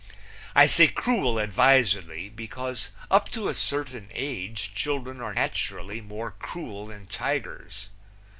I say cruel advisedly, because up to a certain age children are naturally more cruel than tigers.